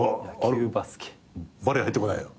バレー入ってこないの？